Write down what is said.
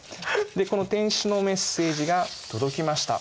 この天使のメッセージが届きました。